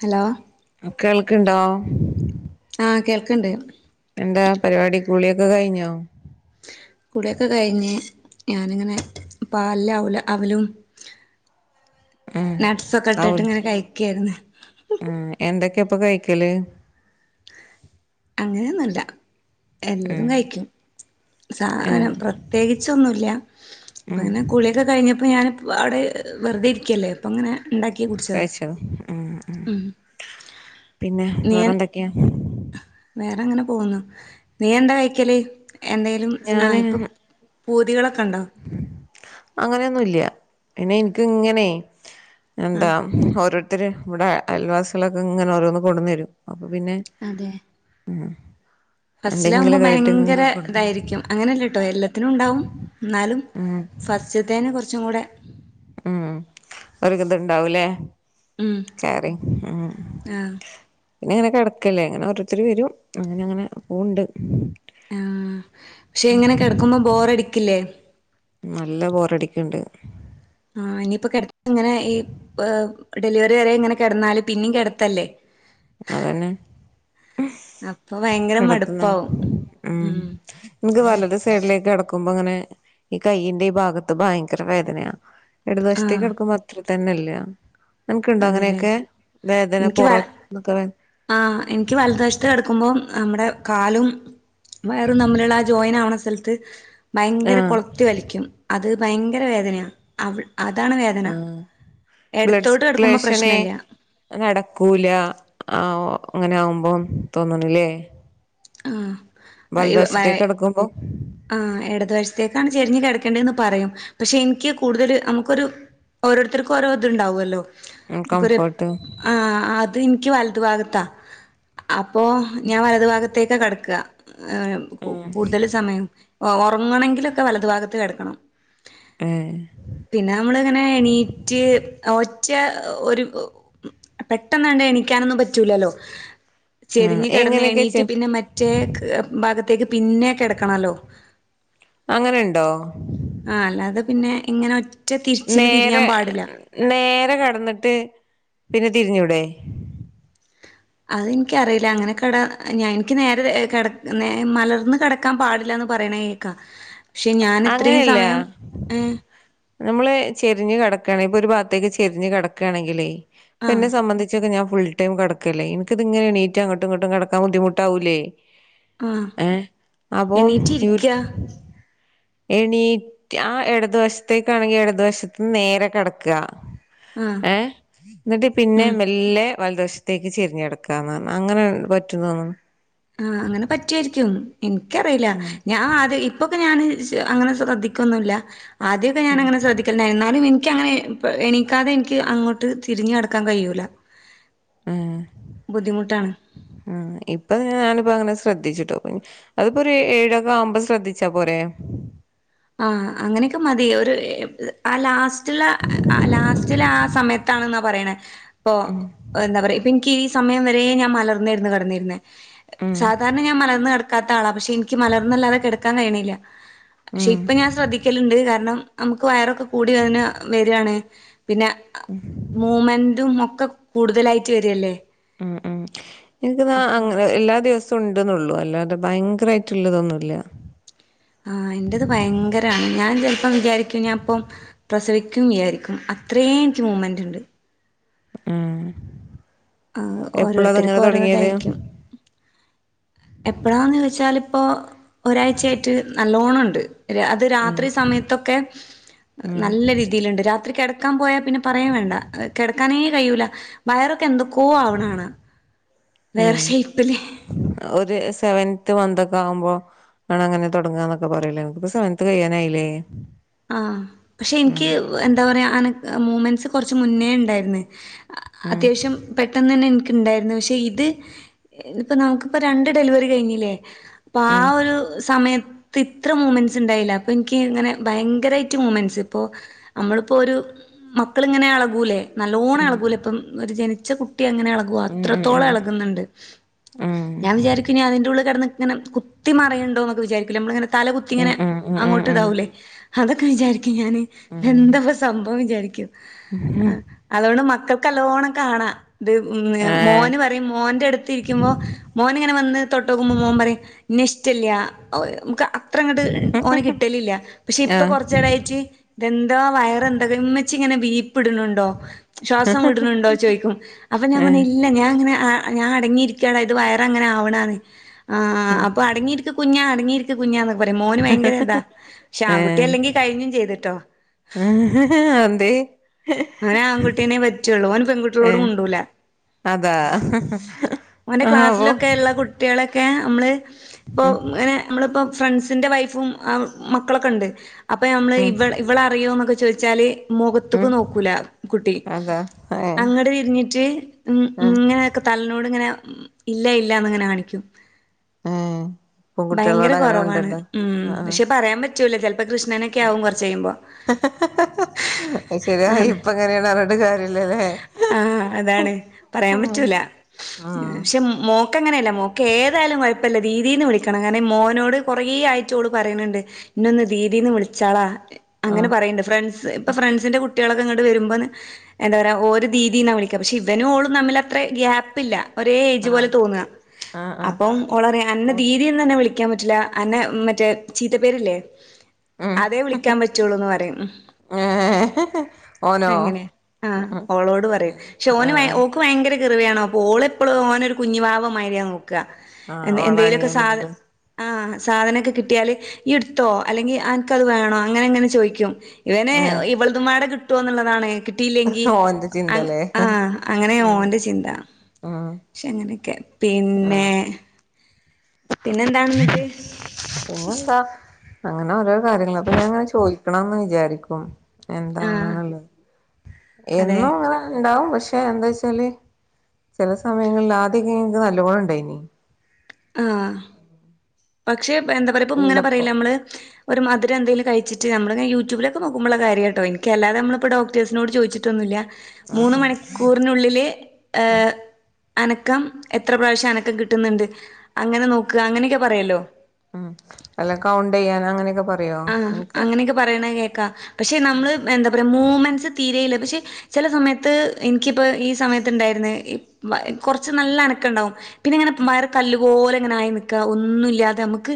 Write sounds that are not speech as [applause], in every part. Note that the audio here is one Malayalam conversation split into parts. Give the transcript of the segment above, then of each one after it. ഹലോ അ കേൾക്ക്ണ്ടോ ആ കേ ന്താ പരിപാടി കുളിയൊക്കെ കയിഞ്ഞോ കുളിയൊക്കെ കയിഞ്ഞ് ഞാനിങ്ങനെ പാല്ലാവൂല്ല അവലും നട്സൊക്കെട്ടിട്ട് ഇങ്ങനെ കയിക്കാര്ന്ന് [inaudible] ഉം എന്തൊക്കെയ ഇപ്പ കയിക്കല് അങ്ങനെയൊന്നല്ല എല്ലതും കയിക്കും ചാ അനെ ആഹ് പ്രത്യേകിച്ചൊന്നുല്യാ ഉം പ്പങ്ങനെ കുളിയക്കെ കഴിഞ്ഞപ്പ ഇങ്ങ ഞാനിപ്പ് അവ്ടേ ഏ വെറുതെ ഇരിക്യല്ലേ അപ്പൊങ്ങനെ ഇണ്ടാക്കി കുടിച്ചതാ കഴിച്ചോ ഉം ഉം പിന്നെ നീയെ വേറെന്തൊക്കെയാ അങ്ങനെ പോകുന്നു നീ എന്താ കഴിക്കല് എന്തയലും സ് ആ ഞാന് ഇപ്പം പൂതികളൊ കണ്ടോ അങ്ങനെയൊന്നുല്യാ പിന്നെ എനിക്ക് ഇങ്ങനേ എന്താ ആഹ് ഒരോ ത്തിരെ ഇവിട അയൽവാസിളൊക്കെ ങ്ങനെ ഓരോന്ന് കൊട്ന്നെരും അ പൊ പിന്നെ ഉം പസ്റ്റിലാകുമ്പം ഭയങ്കര കൊട്ന്ന് ഇതായിരിക്കും അങ്ങനല്ലേട്ടോ എല്ലത്തിനും ഉണ്ടാവും ഉം ന്നാലും ഉം ഫസ്റ്റിത്തേന് കൊർ ഉം അവരെക്കെന്തെൺ ണ്ടാവൂലേ ഉം കാറി ഉം ആഹ് ഇന്നെ ഇങ്ങനെ കെടക്കല്ലേ അങ്ങന ഓരോരുത്തര് വെരും അങ്ങനെ അങ്ങനെ പോണ്ട് ആഹ് ഷേ ഇങ്ങനെ കെടക്കുംമ്പം ബോറടിക്കില്ലേ നല്ല ബോറടിക്ക്ണ്ട് ആ ഇനിയിപ്പോ കെട ഇങ്ങനെ ഈ പ് ഡെലിവറി വരെ ഇങ്ങനെ കെടന്നാല് പിന്നീ കെടത്തല്ലേ അതന്നെ അപ്പൊ ഭയങ്കര കെടത്തംതന്നെ മടുപ്പാവും ഉം എന്ക് വലത് സൈഡിലേക്ക് കെടക്കുമ്പ ങ്ങനെ ഈ കയ്യീന്റെ ഈ ഭാഗത്ത് ഭയങ്കര വേദനയാ എടത് വശ്ത്തേക്ക് ആഹ് കെടക്കുംമ്പോ അത്ര തന്നല്ല്യാ അൻക്ണ്ടോ അതെല്ലേ അങ്ങനെയെക്കേ എനിക്ക് വേദനപൊറ വ ആഹ് എനിക്ക് വലതുവശത്ത് കിടക്കുമ്പോ. നമ്മുടെ കാലും വയറും തമ്മിലുള്ള ആ ജോയിൻ ആവണ സ്ഥലത്ത്. ഭയങ്കര ആഹ് കൊളത്തി വലിക്കും അത്. ഭയങ്കര വേദനയാ അവൾ അതാണ് വേദന ആഹ് എടത്തോട്ട് കെട [unintelligible] നടക്കൂല ആഹ് ഓ അങ്ങനെ ആകുമ്പോ തോന്നണില്ലേ ആ ഇ വ കിടക്കുമ്പോ ആ എടതു വശത്തേക്കാണ് ചെരിഞ്ഞ് കെടക്കണ്ടേന്ന് പറയും പക്ഷെ ഇനിക്ക് കൂടുതൽ നമുക്കൊരു ഓരോരുത്തർക്കും ഓരോ ഇത് ഉണ്ടാവൊല്ലോ ക്കൊരു കംഫർട്ട് ആ അത് ഇനിക്ക് വൽ [unintelligible] ഭാഗത്താ അപ് അപ്പോ ഞാൻ വലതു ഭാഗത്ത് കെടക്കാ ആഹ് കൂ ഉം കൂടുതൽ സമയം ഒ ഒറങ്ങണെങ്കിലൊക്കെ വലതു ഭാഗത്ത് കെടക്കണം ഏഹ് പിന്നെ നമ്മള് ഇങ്ങനെ എണീറ്റ് ഓ മറ്റെ ഒരു പെട്ടെന്നാണ്ട് എണീക്കാനൊന്നും പറ്റൂലല്ലോ ആഹ് ചെരിഞ്ഞ് കെടന്ന് എങ്ങനെയൊക്കെ എണീ ചെ [unintelligible] പിന്നെ മറ്റേ ക്ക് ഭാഗത്തേക്ക് പിന്നെ കെടക്കണല്ലോ അങ്ങനെണ്ടോ ആ അല്ലാതെ പിന്നെ ഇങ്ങനെ റ്റ് നേരെ നേരെ കെടന്നിട്ട് പിന്നെ തിരിഞ്ഞൂടെ അതിൻക്കറില അങ്ങനെ കട ഞാൻ ൻക്ക് നേരെ രേ കെട് മലർന്ന് കെടക്കാൻ പാടില്ലാന്ന് പറയണ കേക്കാ ക്ഷെ ഞാൻ ഇത്രി സമയം ഏഹ് നമ്മൾ ചെരിഞ്ഞ് കിടക്കാണെങ്കി ഇപ്പോ ഒരു ഭാഗത്തേക്ക് ചെരിഞ്ഞ് കിടക്കാണെങ്കിലേ ന്നെ ആഹ് സംബന്ധിച്ചൊക്കെ ഞാൻ ഫുൾ ടൈം കെടക്കല്ലേ ഇൻക്കിത്ങ്ങനെണീറ്റ് അങ്ങട്ടും ഇങ്ങട്ടും കടക്കാൻ ബുദ്ധിമുട്ടാവൂല്ലേ ആ എണീറ്റ് യു ഇരിക്കാ എണീറ്റ് ആ എടതു വശത്തേക്കാണെങ്കി എടതു വശത്ത് നേരെ കെടക്കാ ആഹ് ഏഹ് ന്നിട്ട് പിന്നെ ഉം മെല്ലെ വലദത് വശത്തേക്ക് ചെരിഞ്ഞ് കെടക്കാന്നർഞ്ഞ് അങ്ങനെ പറ്റു ആ അങ്ങനെ പറ്റ്വായ്രിക്കും ഇൻക്കറിയില്ല ഉം ഞാൻ അത് ഇപ്പൊക്കെ ഞാന് ശ് അങ്ങനെ ശ്രദ്ധിക്കൊന്നുല്ല ആദ്യമൊക്കെ ഞാന അങ്ങനെ ശ്രധിക്കില്ലായി എന്നാലുംനി എങ്ങനെ എനിക്കാതെ എനിക്ക് അങ്ങോട്ട് തിരിടക്കാൻ കഴിയല്ല ഉം ഉ ഇപ്പൊ പ്പ അങ്ങനെ ശ്രദ്ധിച്ചിട്ടോ അതിപ്പോൊ ഒരു ഏഴൊക്കെ ആവുമ്പോ ശ്രദ്ധിച്ചാ പോര ആഹ അങ്ങനെയൊക്കെ മതിയ ഒരു ആ ലാസ്റ്റ് ലാസ്റ്റിലെ ആ സമയത്ത് ാണെന്നാ പറയണ ഇപ്പൊ എന്താ പറയാനിക്ക് സമയം വരേ ഞാൻ മലർന്നിരുന്നു കടന്നിരുന്നത് ഉം സാധാരണ ഞാ മലർന്ന് ക്കാത്ത ആള പക്ഷ എനിക്ക് മലർന്ന അല്ലാതെിക്കാൻ കഴണില്ല പക്ഷെ ഉം ഇപ്പൊ ഞാൻ ശ്രദ്ധിക്കലുണ്ട് കാരണം നമുക്ക് വയറൊക്കെ കൂടി അതിന് വരികവാാണ് പിന്നെ മൂ്മെന്റും ഒക്കെ കൂടുതലായിട്ട് വരല്ലേ ഉം ഉം എനിക്ക് ന അങ്ങനെ എല്ലാ ദിവസവും ണ്ടന്നള്ളൂ അല്ലാ അതെ ഭയങ്കരയിട്ട്ള്ളതൊന്നുമല്ല ആ എന്ന്റെറത് ഭയങ്കരമാണ് ഞാൻ ചിലപ്പം വിചാരിക്കും ഞാൻപ്പം പ്രസവിക്കും വിചാരിക്കും അത്രയും എനിക്ക് മൂവ്മെന്റ് ഉണ്ട് ആഹ ആ ഓരോരുത്തർക്കും ഓരോതായിരിക്കും എപ്പഴാന്ന് വെച്ചാല് ഇപ്പോൾ ഒരാഴ്ചയായിട്ട് നല്ല ോണം ഉണ്ട് അത് ഉം രാത്രി സമയത്തൊക്കെ ഉം നല്ല രീതിയിലുണ്ട് രാത്രി കിട കിടക്കാൻ പോയാ പിന്നെ പറയാം വേണ്ട കിടക്കാനേ കഴിൂല വയറൊക്കെ എന്തക്ക കോ ആവണാണ് വേറെ ഏ ഷേപ്പില്േ ഒരു സെവൻത് മന്ത് ആവുമ്പോ ആണ് അങ്ങനെ തുടങ്ങുകന്നൊക്കെ പറയിലേ എനിപ്പ സമയത്ത് കഴിയാനായില്ലേ ആഹ പക്ഷെ ഉം എനിക്ക് എന്താ പറയാ അന മൂവ്മെന്റ്സ് കുറച്ച് മുന്നേ ഉണ്ടായിരുന്നു ഉം അത്യാവശ്യം പെട്ടെന്ന് തന്നെ എനിക്ക് ണ്ടായി പക്ഷെ ഇത്പ്പ നമുക്കിപ്പോ രണ്ട് ഡെലിവറി കഴിഞ്ഞില്ലേ അപ്പൊ ആ ഉം ഒരു സമയത്ത് ഇ ഇത്ര മൂമെന്റ്സ് ഉണ്ടായില്ല അപ്പൊ എനിക്ക് ഇങ്ങനെ ഭയങ്കരമായിട്ട് മൂ്മെന്റ്സ് ഇപ്പോൊ നമ്മളിപ്പോൊ ഒരു മക്കളിങ്ങനെ അളകൂലേ നല്ലോണ്ണം അളകൂല ഇപ്പം ഒരു ജനി ച്ചക്കു കുട്ടി അങ്ങനെ എളകു ഉം അത്രത്തോളം ഉം എളകുന്നുണ്ട് ഉം ഞാൻ വിചാരിക്കുഞ് അതിന്റെ ഉള്ളി കെടന്ന് ഇങ്ങനെ കുത്തി മറിയ്ണ്ടോന്നൊക്കെ വിചാരികൂലെ നമ്മള് തല കുത്തിങ്ങനെ ഉം ഉം ഉം ഉം അങ്ങോട്ട് ഉം ഇതാവൂല്ലേ അതൊക്കെ വിചാരി ക്കും ഞാന് ഉം എന്തൊക്കെ ഉം സംഭവന്ന് വിജാരി ആ ഉം അതുകൊണ്ട് മക്ക ക്ക് നല്ലോണം കാണാ ത് ഉം ഏഹ് മോന് പറയും മോന്റെ അടുത്ത് ഇരിക്കുമ്പോ മോൻ നിങ്ങനെ വന്ന് തൊട്ടോക്കുമ്പോ മോൻ പറയും എന്നെ ഇഷ്ടില്ല്യ ഓഹ് നമുക്ക് അ ത്രങ്ങട്ട് ഓന് കിട്ടലില്ല. പക്ഷെ ഇപ്പൊ ആഹ് കൊറച്ചടേയിട്ട് ഇതെന്തോ വയർ എന്തൊക്കെ ഉമ്മച്ചിങ്ങ നെ വീ ർപ്പിടിനിണ്ടോ ശ്വാസം വിടണിണ്ടോ ചോദിക്കും അപ്പൊ ഞാൻ പറയും ഏഹ് ഇല്ല ഞാനിങ്ങനെ ആ ഞാൻ അടങ്ങിയിരിക്ക്യേണ് എന്റെ വയർ അങ്ങനെ ആവണാണ് ആ ഉം ആപ്പോ അടങ്ങിയിരിക്ക് കുഞ്ഞാ അടങ്ങി യിരിക്ക് കുഞ്ഞാന്നൊക്കെ [unintelligible] മോന് ഭയങ്കര ഇതാ ആ ആൺകുട്ടി അല്ലെങ്കി കഴിഞ്ഞും ചെയ്ത്ട്ടോ ആ ഹ ഹ എന്തേയ് അവന് ആൺകുട്ടീനെ പറ്റുള്ളൂ, ഓൻ പെൺകുട്ടികളോട് ഏഹ് മുണ്ടൂല. അതാ ഓന്റെ ആവോ ക്ലാസ്സിലൊക്കെ ഇള്ള കുട്ടികളെ ഒക്ക അമ്മള്, ഇപ്പൊ ഉം അങ്ങനെ നമ്മളിപ്പോ ഫ്രണ്ട്സിന്റെ വൈഫും ആ മക്കളൊക്കെ ഇണ്ട്. അപ്പൊ നമ്മള് ഉം ഇവ ഇവളെ അറിയോന്നൊക്കെ ചോ ച്ചാല് ഉം മുഖത്ത്ക്ക് നോ കൂല കുട്ടി അതാ ഏഹ് അങ്ങട് തിരിഞ്ഞിട്ട് ഉം ആഹ് ഇങ്ങനെക്കെ തലനോട് ഇങ്ങനെ ഉം ഇല്ല ഇല്ലാന്ന് ഇങ്ങനെ കാണിക്കും. ഏഹ് ഭയങ്കര പെൺകുട്ടികളോട് അങ്ങനെ കൊറവാണ് മിണ്ടണ്ട ഉം ആഹ് പക്ഷെ പറയാൻ പ റ്റൂല ചെൽ പ്പൊ കൃഷ്ണനൊക്കെയാവും കൊറച്ച് കെയ്യുമ്പോ. അത് ശരിയാ അതെ ഇപ്പ എങ്ങനെയാണ് പറഞ്ഞിട്ട് കാര്യല്ലല്ലേ ആ അതാണ് പറയാൻ ആഹ് പറ്റൂല ആഹ് പക്ഷെ മോക്ക് മോക്കങ്ങനെയല്ല മോക്ക് ഏതായാലും കൊയപ്പല്ല ദീദീ ന്ന് വിളിക്കണം കാരണം മോനോട് കുറേ ആയിട്ടോള് പറയിന്ണ്ട് ഇന്നൊന്ന് ദീദീ ന്ന് വിളിച്ചാളാ അങ്ങനെ ആഹ് പറയണ്ട് ഫ്രണ്ട്സ് ഇപ്പ ഫ്രണ്ട്സിന്റെ കുട്ട കുട്ടികളൊക്കെ ഇങ്ങട്ട് വരുമ്പോ എന്താ പറയാ ഓര് ദീദീന്നാ വിളിക്കാ പക്ഷെ ഇവനും ഓളും തമ്മിൽ അത്ര ഗ്യാപ്പില്ല ഒരേ ഏജ് പോലെ ആഹ് തോന്നാ ആഹ് ആഹ് അപ്പം ഓളറിം അന്റെ ഓ ദീദീ ന്ന് തന്നെ വിളി ക്കാൻ പറ്റില്ല അന്നെ മറ്റേ ചീത്ത പേരില്ലേ ഉം അതെ വിളിക്കാൻ പറ്റുള്ളൂന്ന് പറയും ഏഹ് ഓനോ അങ്ങനെ ആ ഉം ഓളോട് പറയാ പക്ഷെ ഓന് ആഹ് ഓക്ക് ഭയങ്കര ഭയങ്കര കിറുവയണ പ്പോഓളപ്പളും ഓനെരു കുഞ്ഞു വാവമായിരിയാ നോ ക്കാ ആഹ് എന്തെലൊക്കെ സാധ ഓളാനിയനാണല്ലേ ആ സാധനൊക്കെ കിട്ടിയാല് യ്യ് ട്ത്തോ അല്ലെങ്കി അൻക്കത് വേണോ അങ്ങനെ അങ്ങനെ ചോയിക്കും ഇവനെ ഏഹ് ഇവളതുംപാടെ കി ട്ടുന്നുള്ളതാണ് കിട്ടില്ലെങ്കി ഓന്റെ ചിന്തല്ലേ ആ അങ്ങനെ ഉം ഓന്റെ ചിന്ത ഉം പക്ഷെ അങ്ങനെക്കെ പിന്നെ ആഹ് പിന്നെന്താണെന്നിട്ട് പിന്നെന്താ അങ്ങനെ ഒരോ കാര്യങ്ങൾ അപ്പ ഞാൻങ്ങനെ ചോയി ക്കണംന്ന് വിചാരിക്കും ആഹ് എന്താണെന്നുള്ളത് അതെ എന്നുംങ്ങനെ ഇണ്ടാവും പ ക്ഷെ എന്താച്ചാല് ചെല സമയങ്ങളിൽ ആദ്യക്കെ ൻക്ക് നല്ലപോലെ ണ്ടായിനി ആ പക്ഷെ എന്താ പറയാ ഇപ്പം ഇങ്ങനെ ഉള്ളപ്പോ പറീലെ നമ്മള് ഒരു മധുരം ന്തേലും കഴിച്ചിട്ട് നമ്മൾങ്ങന യൂട്യൂബിലക്കെ നോ ക്കുമ്പോള്ള കാര്യട്ടോ എനിക്കല്ലതെ നമ്മളിപ്പോ ഡോക്ടർസിനോട് ച്ചോദിച്ചിട്ടൊന്നുല്യ ഉം മൂന്ന് ഉം മണിക്കൂറിനുള്ളില് [unintelligible] ഏഹ് അനക്കം എത്ര പ്രാവശ്യം അനക്കം കിട്ടുന്ന്ണ്ട് അങ്ങനെ നോക്കാ അങ്ങനെക്കെ പറയല്ലോ ഉം അല്ല കൗണ്ടയ്യാൻ അങ്ങനെയൊക്കെ പറ ആ അങ്ങനെയൊക്കെ പറയണ കേൾക്കാ പക്ഷെ നമ്മള് എന്താ പറയാ മൂവ്മെന്റ്സ് തീരെയില്ല പക്ഷെ ചെല സമയത്ത് എനിക്കിപ്പോ ഈ സമയത്ത് ഇണ്ടായിരുന്നു കൊറച്ച് നല്ല അനക്കണ്ടാവും പിന്നെ ഇങ്ങനെ മ്മാരെ കല്ലു പോലെങ്ങനെ ആയി നിക്കാ ഒന്നുല്ലാതെ നമുക്ക്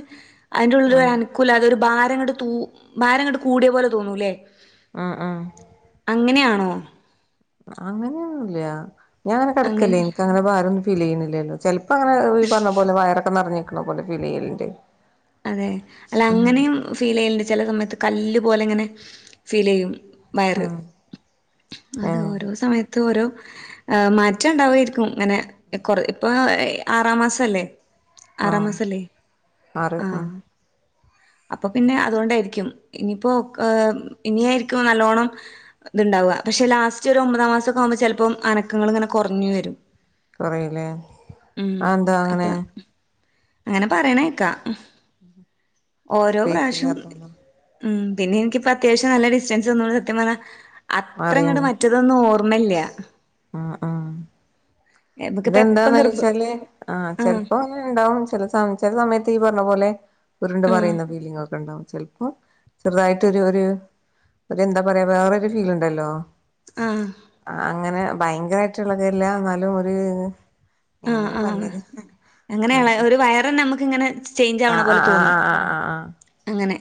അതിന്റെള്ളൊരു ഉം അനുക്കുലതെ ഒരു ബാര് [unintelligible] തൂ ഭാരംങ്ങട് കൂടിയ പോലെ തോന്നൂല്ലേ ഉം ഉം അങ്ങനെയാണോ ആഹ് അങ്ങനെയൊന്നുല്ല്യ ഞാൻ അങ്ങനെ കെടക്കല്ലെ എനിക്കങ്ങനെ ഭാരം ഫീൽ ചെയ്യുന്നില്ലല്ലോ പ ഈ പറഞ്ഞ പോലെ വയറൊക്കെ നിറഞ്ഞ കണ പോലെ ഫിലെയലിണ്ട് അതെ അല്ല അങ്ങനെയും ഫീൽ ചില സമയത്ത് കല്ല് പോലെ ഇങ്ങനെ ഫീൽ ചെയ്യും വയറ് ഉം അതാ ഏഹ് ഓരോ സമയത്ത് ഓരോ ആഹ് മാറ്റം ഉണ്ടാവയിരിക്കും അങ്ങനെ കൊറെ ഇപ്പൊ ആറാം മാസല്ലേ ആറാം ആഹ് മാസല്ലേ ആറ് ആഹ് അപ്പൊ പിന്നെ അതുകൊണ്ടായിരിക്കും ഇനിപ്പോ ഏ ഇനിയായിരിക്കും നല്ലോണ്ണം ഇത്ണ്ടാവുക പക്ഷെ ലാസ്റ്റ് ഒരു ഒമ്പതാം മാസൊക്കെ ആവുമ്പോ ചിലപ്പോ അനക്കങ്ങൾ ഇങ്ങനെ കുറഞ്ഞു വരും കൊറയുല്ലേ ഉം ആന്താ അപ്പൊ അങ്ങനെ അങ്ങനെ പറയണേക്കാ ഓരോ സ്പേസ് പ്രാവശ്യം ഇല്ലാത്തോണ്ടാ ഉം പിന്നെ എനിക്കിപ്പോ അത്യാവശം നല്ല ഡിസ്റ്റൻസ് വന്നൊണ്ട് സത്യം പറഞ്ഞ അത്രങ്ങട് മാറിയോണ്ടാ മറ്റതൊന്ന് ഓർ ഓർമ്മല്ല ആഹ് ആഹ് നമുക്കിപ്പ എപ്പം ഇതെന്താന്ന് ഗർഭ വോച്ചാല് ആ ആഹ് ചെിലപ്പോ അങ്ങന ഉണ്ടാവും ച ചില സമയത്ത് തീ പറഞ്ഞ പോലെ ഉരുണ്ട് ആഹ് മറയുന്ന ഫീലിങ്ങൊക്കെ ഉണ്ടാവും ചിലപ്പോ ചെറുതായിട്ടൊരു ഒരു ഒരു എന്താ പറയാ വേറൊരു ഫീൽ ഇണ്ടല്ലോ ആഹ് ആഹ് അങ്ങനെ ഭയങ്കരമായിട്ടുള്ളതല്ല എന്നാലും ഒര് ആഹ് ആഹ് അങ്ങനെയുള്ള അതിപ്പോ ഒരു വയറഞ്ഞെ നമുക്ക് ഇങ്ങനെ ചേഞ്ച് ആവണ ആഹ് പോലെ ആഹ് തോന്നും ആഹ് ആഹ് അങ്ങനെ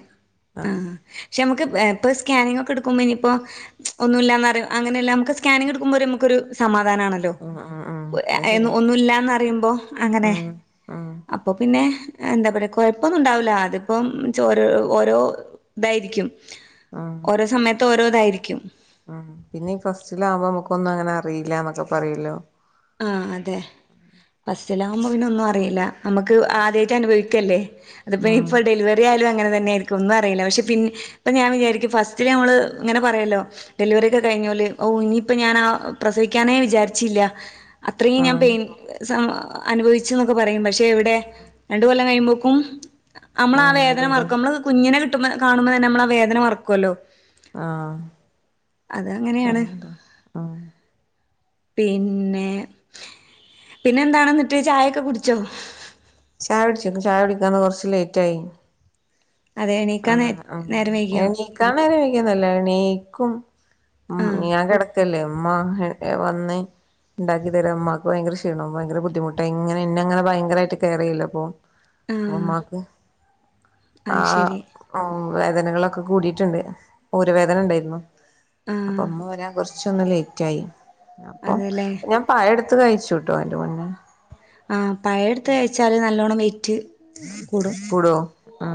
ആഹ് ആഹ് ആഹ് ആഹ പക്ഷെ നമക്ക് ഇപ്പോ സ്കാനിങ് ഒക്കെ ഇട്ക്കുമ്പോ ഇനിപ്പോ ഒന്നുല്ലാന്ന് അറ്യോ അങ്ങനെല്ല നമുക്ക് സ്കാനിങ് ഇട്ക്കുമ്പോ ഒരു നമുക്കൊരു സമാ ധാനാണല്ലോ. ആഹ് ഉം ഉം ഉം അത് ശരിയാ ഒന്നുമല്ലന്നറിയുമ്പോ അങ്ങനെ ഉം ഉം അപ്പൊ പിന്നെ എന്താ പറയാ കുഴപ്പൊന്നും ഉണ്ടാവില്ല അതിപ്പം ചോര് ഓരോ ഇതായിരിക്കും ഉം ഓരോ സമയത്ത് ഓരോ അതായിരിക്കും ഉം പിന്നെ ഫസ്റ്റിലാവുമ്പോ നമുക്ക് ഒന്നും അങ്ങനെ അറി- അറില എന്നൊക്കെ പറയല്ലോ ആ അതെ ബസ്സിലാകുമ്പോൾ പിന്നെ ഒന്നും അറിയില്ല നമുക്ക് ആദ്യയിട്ട് അനുഭവിക്കു- കെല്ലേ അതിപ്പേ ഉം ഇപ്പൊ ഡെലിവറി ആയാലും അങ്ങനെ ത - നേ [unintelligible] ക്ക് ഒന്നും അറിയില്ല പക്ഷെ പിന്നെ- അപ്പം ഞാൻ വിചാരിക്കും ഫസ്റ്റില് ഞമ്മൾ ഇങ്ങനെ പറയല്ലോ ഡെലിവറി ഒക്കെ കഴിഞ്ഞല് ഓ ഇനിയിപ്പൾ ഞാൻ ആ പ്രസവിക്കാനേ വിചാരിച്ചില്ല അത്രയും ഞാൻ ഉം പെയിൻ സമ അനുഭവിച്ച എന്നൊക്കെ പറയും പക്ഷേ- എവിടെ രണ്ട കൊല്ലം കഴിയുമ്പോ- കും നമ്മള ആ ആഹ് വേദന വീണ്ടും മറക്കും നമ്മള് കുഞ്ഞിനെ കിട്ട- [unintelligible] കാണുമ്പോ തന്നെ നമ്മൾ ആ വേദന മറക്കുല്ലോ ആഹ് അങ്ങനെയാണ് ആഹ് പിന്നെ പിന്നെ എന്താണ് എന്നിട്ട് ചായയൊക്കെ കുടിച്ചോ ചായ കുടിച്ചു ചായ കുടിക്കാന്ന് കൊറച്ച് ലേറ്റ് ആയി അതെ എണീക്കാൻ നേ ആഹ് ആഹ് നേരം വൈകിയോ എണീക്കാൻ നേരം വൈകിതല്ല എണീക്കും ആഹ് ഞാൻ കിടക്കല്ലേ ഉമ്മ വന്ന് ഉണ്ടാക്കി തരും ഉമ്മാക്ക് ഭയങ്കര ക്ഷീണം ഭയങ്കര ബുദ്ധിമുട്ട് ഇങ്ങനെ എന്നെ ഇങ്ങനെ ഭയങ്കരമായിട്ട് കെയർ ചെയുലെ അപ്പോ ആഹ് ഉമ്മാക്ക് അത് ആഹ് ശരി ഓ വേദനകളൊക്കെ കൂടിയിട്ടുണ്ട് ഊര് വേദന ഉണ്ടായിരുന്നു അപ്പൊ ആഹ് ഉമ്മവരാൻ കുറച്ച് കുറച്ചു ഒന്ന് ലേറ്റായി അപ്പൊ അതെല്ലേ ഞാൻ [unintelligible] അത് കഴിച്ചുട്ടോ അയിന്റെ മുന്നേ ആഹ് പഴം എടുത്തു കഴിച്ചാല് നല്ലോണം വെയ്‌റ്റ് കൂടോ വോ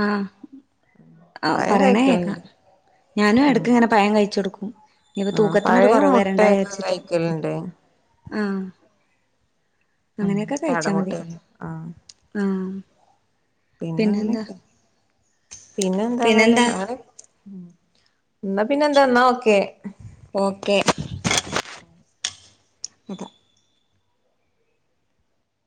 ആ ആ പഴം പറേണ കേക്ക കഴിക്കലുണ്ട് ഞാനും എടക്ക്ങ്ങനെ പഴം കയ്ചൊട്ക്കും മ് പഴയ മുട്ടയൊക്കെ കഴിക്കലണ്ട് ആ ഉം അങ്ങനെയൊക്കെ കഴിച്ചാ മതി കാടമുട്ടയൊക്കെ ആഹ് ആ പിന്നെ അങ്ങനെയൊക്കെ പിന്ന പിന്നെന്താന്നല്ലേ പിന്നെന്താ അങ്ങനെ [inaudible] എന്നാ പിന്നെന്താ ന്നാ ഓക്കെ [inaudible] അതെ